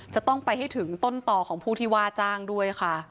จะต้องไปให้ถึงต้นต่อของผู้ที่ว่าจ้างด้วยค่ะ